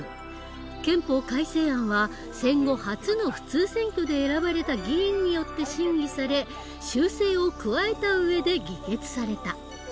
憲法改正案は戦後初の普通選挙で選ばれた議員によって審議され修正を加えた上で議決された。